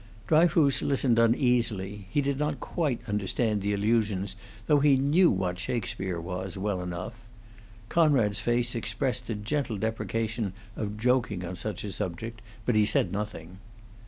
Dryfoos listened uneasily; he did not quite understand the allusions, though he knew what Shakespeare was, well enough; Conrad's face expressed a gentle deprecation of joking on such a subject, but he said nothing.